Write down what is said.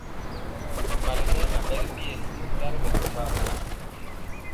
Mali mɛma bɛ ri dɛyɛ tari bɛ tɔmba boa.